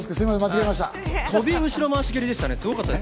飛び蹴りの後ろ回し蹴りでしたね。